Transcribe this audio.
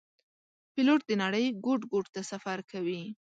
پیلوټ د نړۍ ګوټ ګوټ ته سفر کوي.